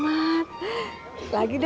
kalau beli vulkan baterai